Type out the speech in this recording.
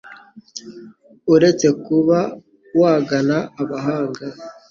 uretse kuba wagana abahanga